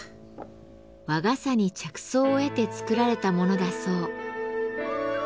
和傘に着想を得て作られたものだそう。